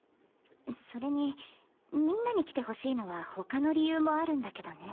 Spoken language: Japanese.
それにみんなに来てほしいのは他の理由もあるんだけどね。